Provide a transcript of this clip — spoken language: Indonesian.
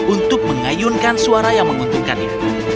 untuk mengayunkan suara yang menguntungkannya